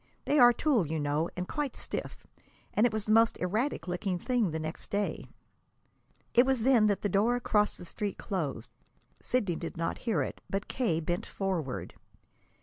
They are tulle, you know, and quite stiff, and it was the most erratic looking thing the next day!" It was then that the door across the street closed. Sidney did not hear it, but K. bent forward.